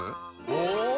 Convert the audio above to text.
お！